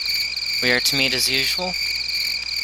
We are to meet as usual?